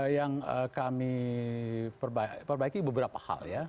yang kami perbaiki beberapa hal ya